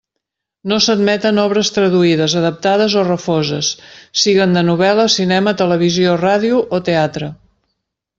No s'admeten obres traduïdes, adaptades o refoses, siguen de novel·la, cinema, televisió, ràdio o teatre.